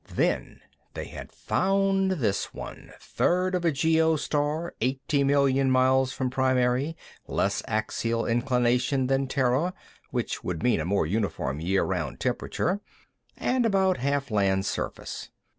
Then they had found this one, third of a G0 star, eighty million miles from primary, less axial inclination than Terra, which would mean a more uniform year round temperature, and about half land surface.